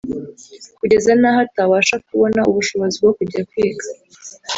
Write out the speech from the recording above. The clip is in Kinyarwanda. kugeza naho atabasha kubona ubushobozi bwo kujya kwiga